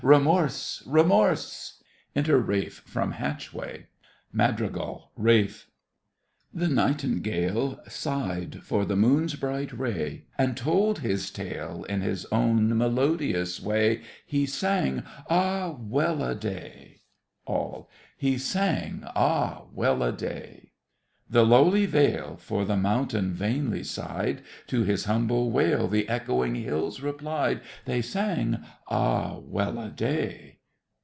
Remorse! remorse! Enter RALPH from hatchway MADRIGAL—RALPH The Nightingale Sighed for the moon's bright ray And told his tale In his own melodious way! He sang "Ah, well a day!" ALL. He sang "Ah, well a day!" The lowly vale For the mountain vainly sighed, To his humble wail The echoing hills replied. They sang "Ah, well a day!"